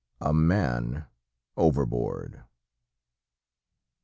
A MAN OVERBOARD.